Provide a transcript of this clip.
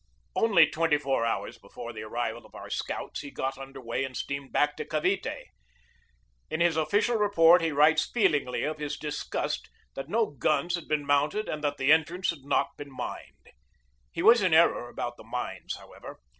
Only twenty four hours before the arrival of our scouts he got under way and steamed back to Cavite. In his official report he writes feelingly of his disgust that no guns had been mounted and that the en trance had not been mined. He was in error about the mines, however.